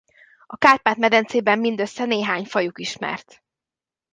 A Kárpát-medencében mindössze néhány fajuk ismert.